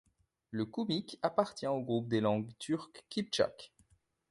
Le koumyk appartient au groupe des langues turques kiptchaks.